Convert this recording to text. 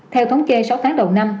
theo thống chê sáu tháng đầu năm